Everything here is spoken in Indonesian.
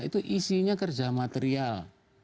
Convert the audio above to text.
itu isinya kerja material